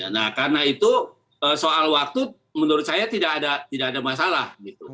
nah karena itu soal waktu menurut saya tidak ada masalah